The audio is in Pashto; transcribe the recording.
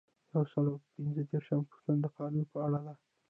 یو سل او پنځه دیرشمه پوښتنه د قانون په اړه ده.